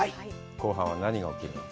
後半は何が起きるの？